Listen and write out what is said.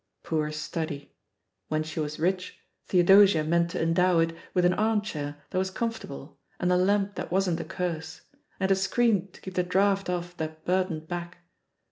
Poor "study" f When she was rich, Theodosia meant to endow it with an armchair that was comfortable, and a lamp that wasn't a curse, and a screen to keep the draught off that burdened back.